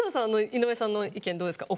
井上さんの意見どうですか？